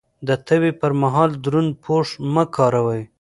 د تبه پر مهال دروند پوښ مه کاروئ.